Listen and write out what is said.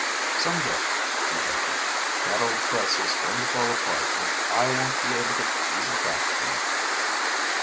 "Some day," he ventured, "that old press is going to fall apart and I won't be able to tease it back again."